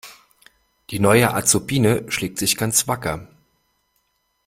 Die neue Azubine schlägt sich ganz wacker.